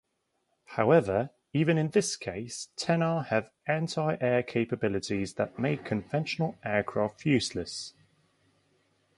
However, even in this case, tenar have anti-air capabilities that make conventional aircraft useless.